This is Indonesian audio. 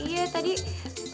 itu apa itu